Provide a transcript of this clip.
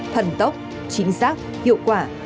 thần tốc chính xác hiệu quả